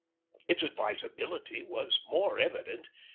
Its advisability was more evident.